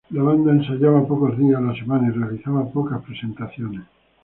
La banda ensayaba pocos días a la semana y realizaban pocas presentaciones.